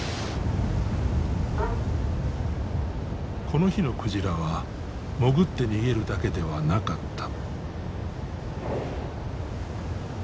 この日の鯨は潜って逃げるだけではなかった。